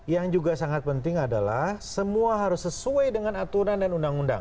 yang juga sangat penting adalah semua harus sesuai dengan aturan dan undang undang